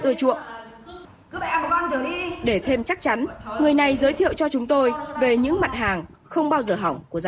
ưa chuộng để thêm chắc chắn người này giới thiệu cho chúng tôi về những mặt hàng không bao giờ hỏng của gia